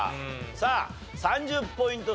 さあ３０ポイント差